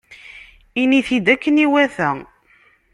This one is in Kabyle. Ini-t-id akken iwata.